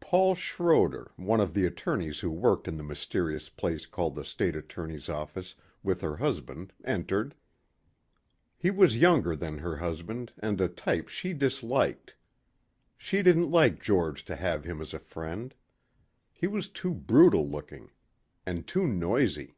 Paul Schroder, one of the attorneys who worked in the mysterious place called the state attorney's office with her husband, entered. He was younger than her husband and of a type she disliked. She didn't like George to have him as a friend. He was too brutal looking. And too noisy.